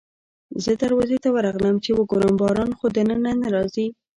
زه دروازې ته ورغلم چې وګورم باران خو دننه نه راځي.